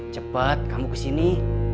cepat kamu kesini